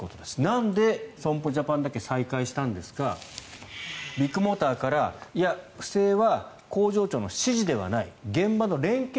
なんで損保ジャパンだけ再開したんですかビッグモーターから不正は工場長の指示ではない現場の連携